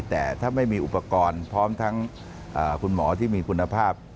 แต่ถ้าไม่มีอุปกรณ์พร้อมทั้งคุณหมอที่มีคุณภาพ